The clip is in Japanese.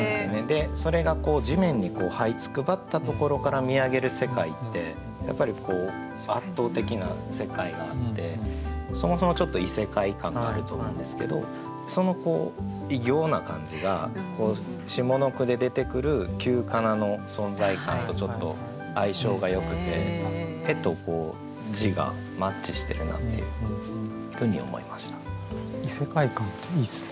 それが地面にはいつくばったところから見上げる世界ってやっぱりこう圧倒的な世界があってそもそもちょっと異世界感があると思うんですけどその異形な感じが下の句で出てくる旧仮名の存在感とちょっと相性がよくて絵と字がマッチしてるなっていうふうに思いました。